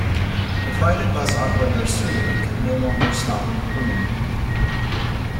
The private bus operator Citylink no longer stop in Croom.